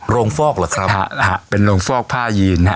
ฟอกเหรอครับนะฮะเป็นโรงฟอกผ้ายีนฮะ